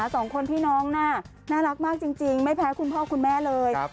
สองคนพี่น้องน่ะน่ารักมากจริงไม่แพ้คุณพ่อคุณแม่เลย